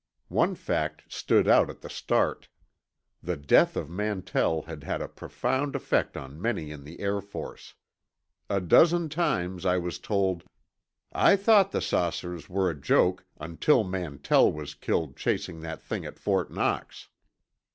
One fact stood out at the start: The death of Mantell had had a profound effect on many in the Air Force. A dozen times I was told: "I thought the saucers were a joke until Mantell was killed chasing that thing at Fort Knox."